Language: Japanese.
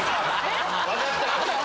分かった！